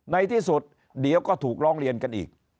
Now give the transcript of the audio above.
ในที่สุดเดี๋ยวก็ถูกร้องเรียนกันอีก